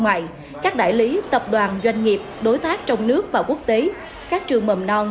ngoại các đại lý tập đoàn doanh nghiệp đối tác trong nước và quốc tế các trường mầm non